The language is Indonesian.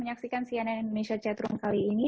menyaksikan cnn indonesia chat room kali ini